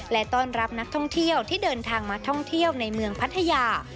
และต้อนรับนักท่องเที่ยวที่เดินทางมาท่องเที่ยวในเมืองพัทยา